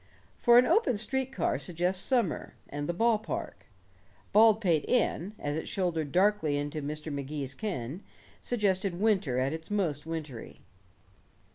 For an open street car suggests summer and the ball park; Baldpate Inn, as it shouldered darkly into Mr. Magee's ken, suggested winter at its most wintry.